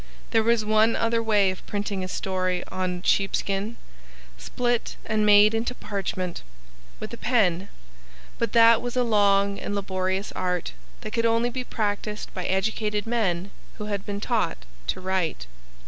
There was one other way of printing a story—on sheepskin (split and made into parchment) with a pen—but that was a long and laborious art that could only be practiced by educated men who had been taught to write.